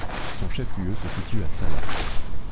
Son chef-lieu se situe à Sala.